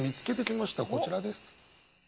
こちらです。